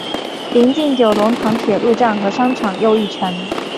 邻近九龙塘铁路站和商场又一城。